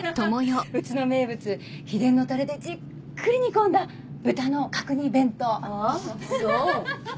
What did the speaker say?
うちの名物秘伝のタレでじっくり煮込んだ豚の角煮弁当ハハハ。